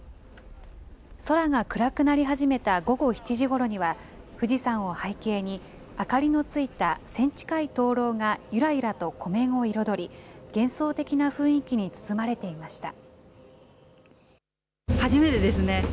空が暗くなり始めた午後７時ごろには、富士山を背景に、明かりのついた１０００近い灯籠がゆらゆらと湖面を彩り、幻想的な雰囲気に包まれていました。